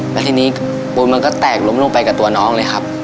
แล้วทีนี้ปูนมันก็แตกล้มลงไปกับตัวน้องเลยครับ